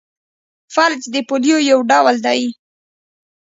فلج د پولیو یو ډول دی.